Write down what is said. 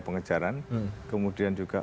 pengejaran kemudian juga